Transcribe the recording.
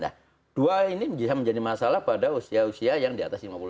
nah dua ini bisa menjadi masalah pada usia usia yang di atas lima puluh tahun